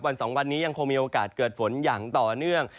๒วันนี้ยังคงมีโอกาสเกิดฝนอย่างต่อเนื่อง